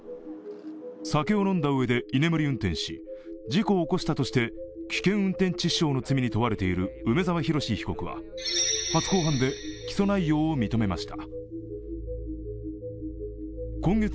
酒を飲んだうえで居眠り運転し事故を起こしたとして危険運転致死傷の罪に問われている梅沢洋被告は初公判で起訴内容を認めました。